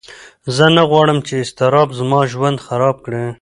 زه نه غواړم چې اضطراب زما ژوند خراب کړي.